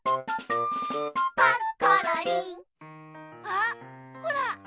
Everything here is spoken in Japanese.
あっほら！